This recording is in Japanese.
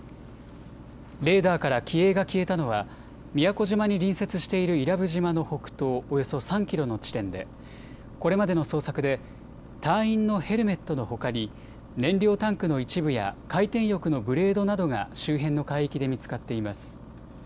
レーダーから機影が消えたのは宮古島に隣接している伊良部島の北東およそ３キロの地点でこれまでの捜索で隊員のヘルメットのほかに燃料タンクの一部や回転翼のブレードなどが周辺の海域で見つかっています。